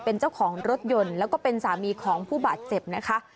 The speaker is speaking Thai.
เป็นเจ้าของรถยนต์แล้วก็เป็นสามีของผู้บาดเจ็บนะคะ